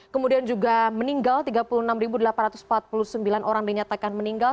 kemudian juga meninggal tiga puluh enam delapan ratus empat puluh sembilan orang dinyatakan meninggal